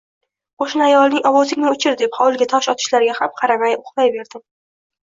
Qo‘shni ayolning “Ovozingni o‘chir”, deb hovliga tosh otishlariga ham qaramay uvlayverdim